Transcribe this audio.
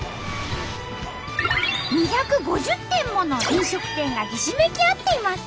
２５０店もの飲食店がひしめき合っています。